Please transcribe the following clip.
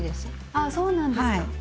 ああそうなんですか。